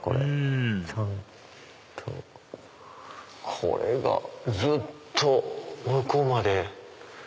これがずっと向こうまで。